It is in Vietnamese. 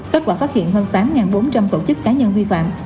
kết quả phát hiện hơn tám bốn trăm linh tổ chức cá nhân vi phạm